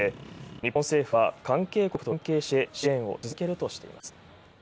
日本政府は関係国と連携して支援を続けるとしています。